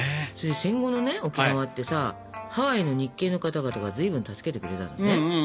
戦後のね沖縄ってさハワイの日系の方々がずいぶん助けてくれたのね。